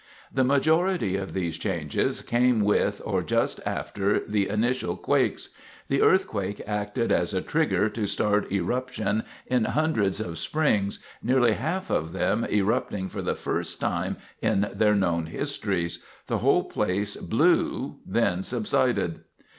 The majority of these changes came with, or just after, the initial quakes. The earthquake acted as a trigger to start eruption in hundreds of springs, nearly half of them erupting for the first time in their known histories. The whole place blew, then subsided.